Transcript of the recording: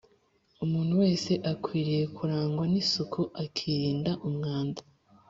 umuntu wese akwiriye kurangwa n’isuku akirinda umwanda